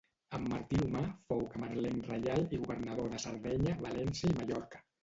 Amb Martí l'Humà fou camarlenc reial i governador de Sardenya, València i Mallorca.